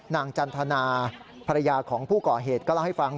จันทนาภรรยาของผู้ก่อเหตุก็เล่าให้ฟัง